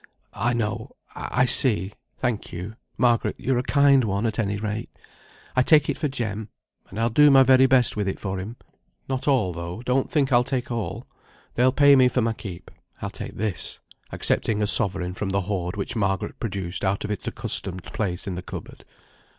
"I know I see. Thank you, Margaret; you're a kind one, at any rate. I take it for Jem; and I'll do my very best with it for him. Not all, though; don't think I'll take all. They'll pay me for my keep. I'll take this," accepting a sovereign from the hoard which Margaret produced out of its accustomed place in the cupboard.